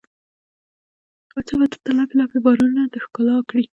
ته به دلته لپې، لپې بارانونه د ښکلا کړي